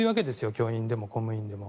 教員でも公務員でも。